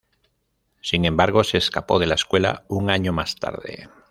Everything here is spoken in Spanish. Sin embargo, se escapó de la escuela un año más tarde.